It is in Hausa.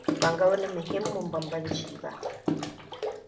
Banga wani muhimmin banbanci ba.